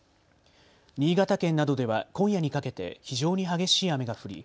新潟県などでは今夜にかけて非常に激しい雨が降り